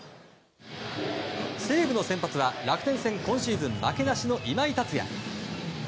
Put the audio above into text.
西武の先発は、楽天戦今シーズン負けなしの今井達也。